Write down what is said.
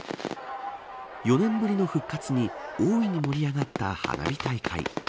４年ぶりの復活に大いに盛り上がった花火大会。